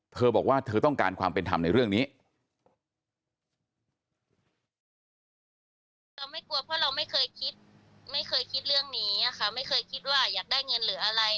เราไม่กลัวเพราะเราไม่เคยคิดไม่เคยคิดเรื่องนี้อ่ะค่ะไม่เคยคิดว่าอยากได้เงินหรืออะไร